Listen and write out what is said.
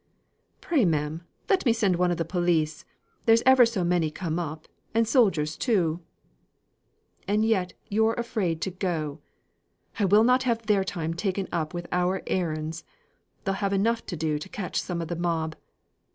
"Pray, ma'am, let me send one of the police. There's ever so many come up, and soldiers too." "And yet you're afraid to go! I will not have their time taken up with our errands. They'll have enough to do to catch some of the mob.